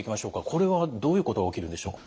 これはどういうことが起きるんでしょう？